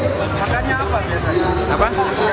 gak kasih makan apa